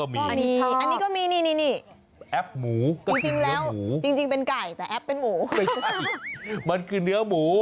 ไม่ปลื้ม